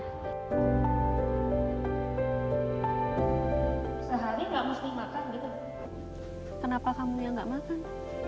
sehari nggak mesti makan gitu kenapa kamu yang nggak makan